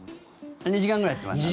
２時間ぐらいやってましたね。